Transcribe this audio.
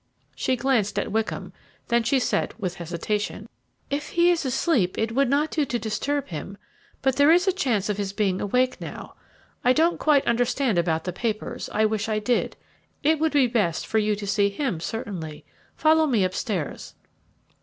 She glanced at Wickham, then she said with hesitation, "If he is asleep it would not do to disturb him, but there is a chance of his being awake now. I don't quite understand about the papers, I wish I did. It would be best for you to see him certainly; follow me upstairs."